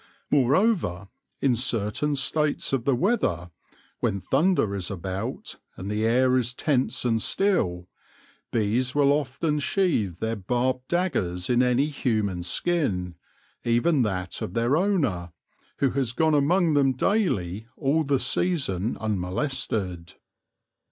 Moreover, in certain states of the weather — when thunder is about, and the air is tense and still — bees will often sheath their barbed daggers in any human skin, even that of their owner, who has gone among them daily all the season unmolested.